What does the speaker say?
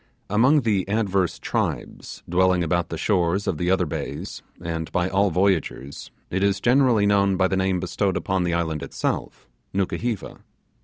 Among the adverse tribes dwelling about the shores of the other bays, and by all voyagers, it is generally known by the name bestowed upon the island itself Nukuheva.